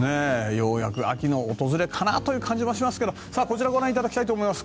ようやく秋の訪れかなという感じはしますがこちらご覧いただきたいと思います。